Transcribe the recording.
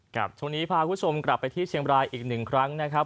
ช่วงนี้พาคุณผู้ชมกลับไปที่เชียงบรายอีกหนึ่งครั้งนะครับ